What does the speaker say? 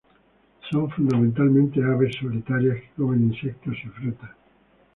Son fundamentalmente aves solitarias, que comen insectos y frutas.